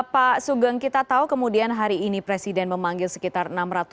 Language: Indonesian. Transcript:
pak sugeng kita tahu kemudian hari ini presiden memanggil sekitar enam ratus